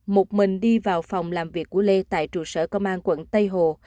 một mình đi vào phòng làm việc của lê tại trụ sở công an quận tây hồ